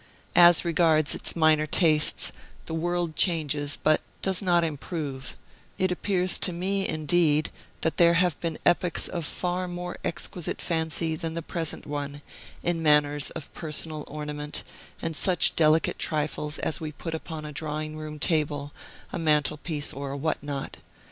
As regards its minor tastes, the world changes, but does not improve; it appears to me, indeed, that there have been epochs of far more exquisite fancy than the present one, in matters of personal ornament, and such delicate trifles as we put upon a drawing room table, a mantel piece, or a whatnot.